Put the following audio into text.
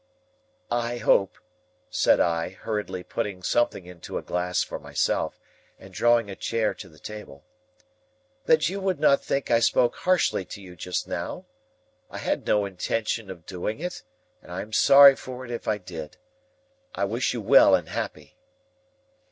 "I hope," said I, hurriedly putting something into a glass for myself, and drawing a chair to the table, "that you will not think I spoke harshly to you just now. I had no intention of doing it, and I am sorry for it if I did. I wish you well and happy!"